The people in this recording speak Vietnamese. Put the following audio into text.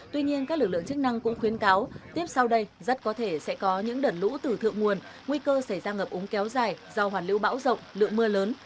tuy nhiên các lực lượng chức năng cũng khuyến cáo tiếp sau đây rất có thể sẽ có những đợt lũ tử thượng nguồn nguy cơ xảy ra ngập úng kéo dài do hoàn lưu bão rộng lượng mưa lớn